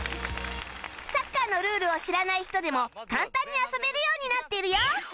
サッカーのルールを知らない人でも簡単に遊べるようになってるよ